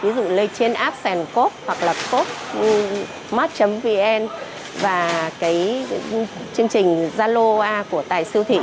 ví dụ lên trên app sèn cốt hoặc là cốtmart vn và cái chương trình zalo của tài sư thị